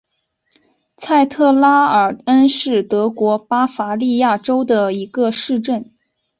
蔡特拉尔恩是德国巴伐利亚州的一个市镇。